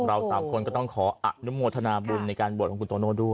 เราสามคนก็ต้องขออนุโมทนาบุญในการบวชของคุณโตโน่ด้วย